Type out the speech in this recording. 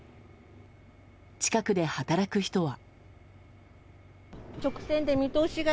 近くで働く人は。